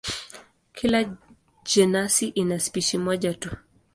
Kila jenasi ina spishi moja tu.